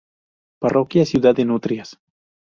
Parroquia Ciudad de Nutrias.